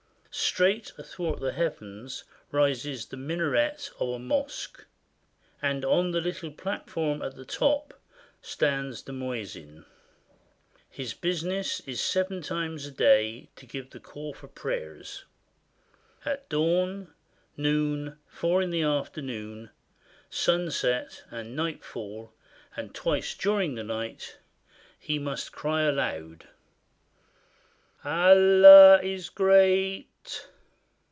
Straight athwart the heavens rises the minaret of a mosque ; and on the little platform at its top stands the muezzin. His business is seven times a day to give the call for prayers. At dawn, noon, four in the afternoon, sunset, and night fall, and twice during the night, he must cry aloud, "Allah is great!